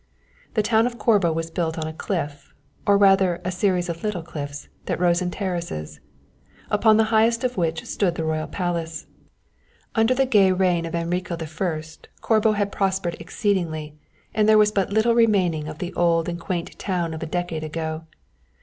The town of Corbo was built on a cliff, or rather a series of little cliffs that rose in terraces, upon the highest of which stood the royal palace. Under the gay reign of Enrico I, Corbo had prospered exceedingly, and there was but little remaining of the old and quaint town of a decade ago.